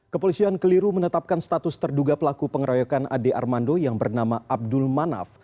kepolisian keliru menetapkan status terduga pelaku pengeroyokan ade armando yang bernama abdul manaf